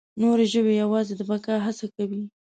نور ژوي یواځې د بقا هڅه کوي.